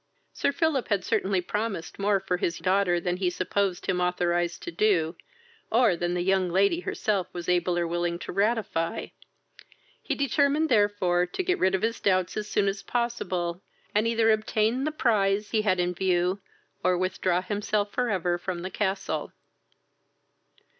Sir Philip had certainly promised more for his daughter than he supposed him authorised to do, or than the young lady herself was able or willing to ratify: he determined therefore to get rid of his doubts as soon as possible, and either obtain the prize he had in view, or withdraw himself for ever from the castle.